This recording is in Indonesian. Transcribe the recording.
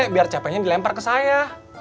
biar capeknya dilempar ke saya